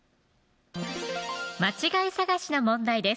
間違い探しの問題です